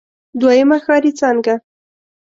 دويمه ښاري څانګه.